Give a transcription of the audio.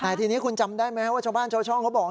แต่ทีนี้คุณจำได้ไหมว่าชาวบ้านชาวช่องเขาบอก